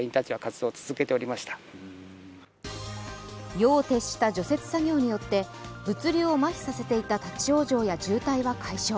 夜を徹した除雪作業によって物流をまひさせていた立往生や渋滞は解消。